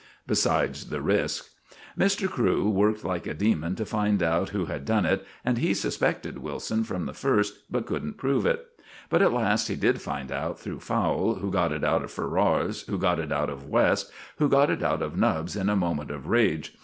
Besides the risk. Mr. Crewe worked like a demon to find out who had done it, and he suspected Wilson from the first, but couldn't prove it. But at last he did find out through Fowle, who got it out of Ferrars, who got it out of West, who got it out of Nubbs in a moment of rage.